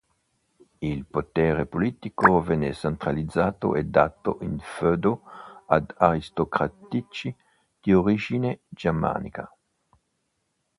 Il potere politico venne centralizzato e dato in feudo ad aristocratici di origine germanica.